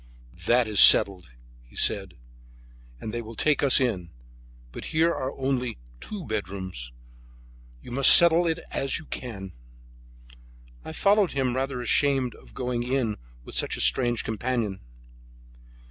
"That is settled," he said, "and they will take us in; but here are only two bedrooms. You must settle it as you can." I followed him, rather ashamed of going in with such a strange companion.